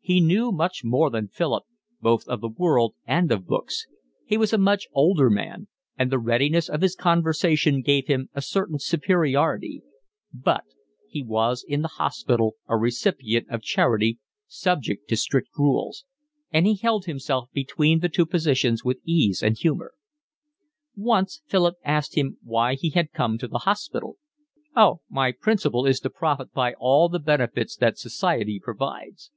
He knew much more than Philip, both of the world and of books; he was a much older man; and the readiness of his conversation gave him a certain superiority; but he was in the hospital a recipient of charity, subject to strict rules; and he held himself between the two positions with ease and humour. Once Philip asked him why he had come to the hospital. "Oh, my principle is to profit by all the benefits that society provides.